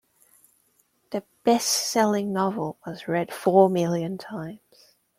The bestselling novel was read four million times.